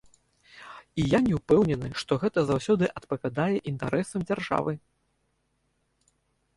І я не ўпэўнены, што гэта заўсёды адпавядае інтарэсам дзяржавы.